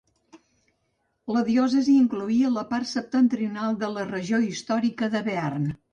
La diòcesi incloïa la part septentrional de la regió històrica de Bearn.